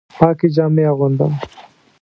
پاکې جامې اغوندم